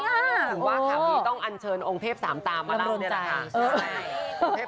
ก็ไม่รู้สึกว่าค่ะพี่ต้องอันเชิญโรงเทพสามตามมาเล่านี้แหละค่ะ